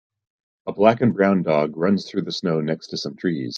A black and brown dog runs through the snow next to some trees.